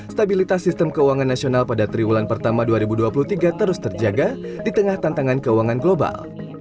stabilitas sistem keuangan nasional pada triwulan pertama dua ribu dua puluh tiga terus terjaga di tengah tantangan keuangan global